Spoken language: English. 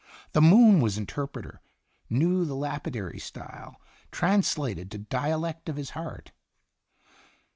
The moon was inter preter, knew the lapidary style, translated to dialect of his heart.